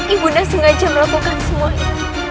ibu nanda sengaja melakukan semuanya